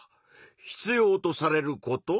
必要とされること？